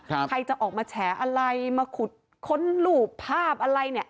ใครจะออกมาแฉอะไรมาขุดค้นรูปภาพอะไรเนี่ย